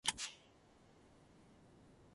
トマトが高い。